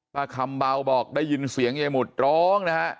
คำเบาบอกได้ยินเสียงยายหมุดร้องนะฮะ